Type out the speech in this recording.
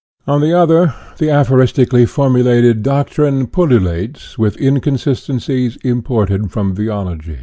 On the other, the aphoristically formulated doc trine pullulates with inconsistencies imported from theology.